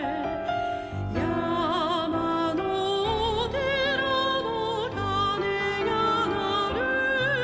「やまのおてらのかねがなる」